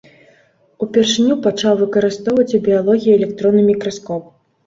Упершыню пачаў выкарыстоўваць у біялогіі электронны мікраскоп.